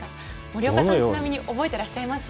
森岡さん、ちなみに覚えてらっしゃいます？